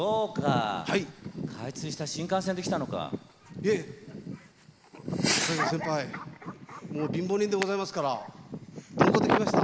いえ私は先輩もう貧乏人でございますから鈍行で来ました。